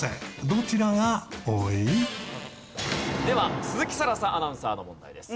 では鈴木新彩アナウンサーの問題です。